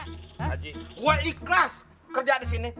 haji gue ikhlas kerja di sini